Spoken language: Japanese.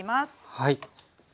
はい。